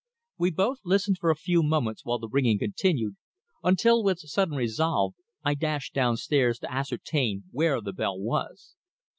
We both listened for a few moments while the ringing continued, until with sudden resolve I dashed downstairs to ascertain where the bell was.